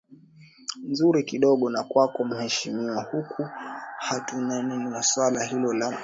nzuri kidogo na kwako mheshimiwa huku hatunaneno swala hilo la nidhamu